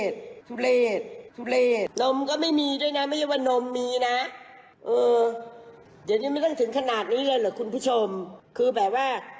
ชุเรศชุเรศชุเรศ